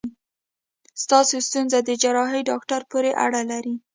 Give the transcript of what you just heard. ستاسو ستونزه د جراحي داکټر پورې اړه لري.